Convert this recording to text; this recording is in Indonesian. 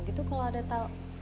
gitu kalau ada tau